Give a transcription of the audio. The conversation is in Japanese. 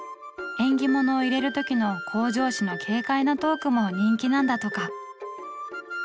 縁起物を入れる時の口上師の軽快なトークも人気なんだとか。